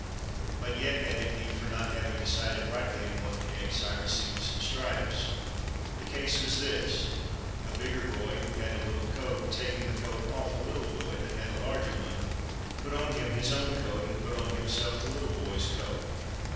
But yet," added he, " for not having decided rightly, in one case, I received some stripes. The case was this : A bigger boy, who had a little coat, tak ing the coat off a little boy, that had a larger one, put on him his own coat, and put on himself the little boy's coat.